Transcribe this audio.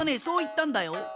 そういったんだよ。